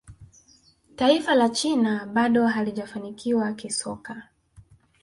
taifa la china bado halijafanikiwa kisoka